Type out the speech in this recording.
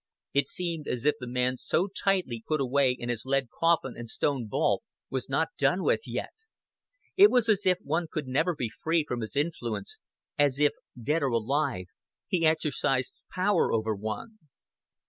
It seemed as if the man so tightly put away in his lead coffin and stone vault was not done with yet. It was as if one could never be free from his influence, as if, dead or alive, he exercised power over one.